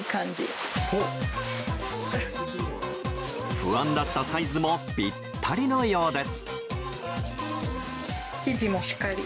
不安だったサイズもぴったりのようです。